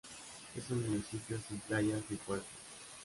Es un municipio sin playas ni puertos.